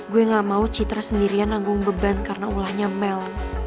gue gak mau citra sendirian nanggung beban karena ulahnya mel